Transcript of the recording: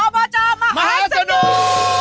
อบมหาสนุก